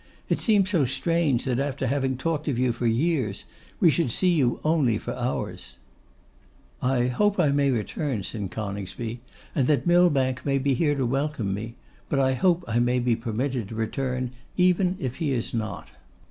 It seems so strange that after having talked of you for years, we should see you only for hours.' 'I hope I may return,' said Coningsby, 'and that Millbank may be here to welcome me; but I hope I may be permitted to return even if he be not.